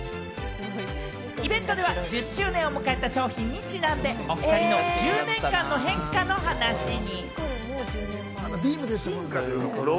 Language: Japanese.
イベントでは１０周年を迎えた商品にちなんで、おふたりの１０年間の変化の話に。